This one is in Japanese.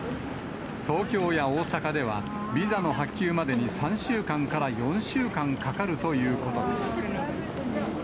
東京や大阪ではビザの発給までに３週間から４週間かかるということです。